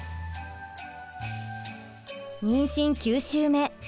妊娠９週目。